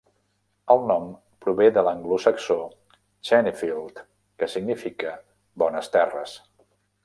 El nom prové de l'anglosaxó "Chenefield", que significa "bones terres".